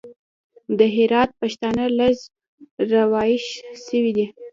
د هرات پښتانه لږ راوېښ سوي دي.